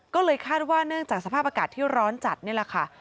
ก็เลยคาดว่าเนื่องจากสภาพอากาศที่ร้อนจัดนี่แหละค่ะ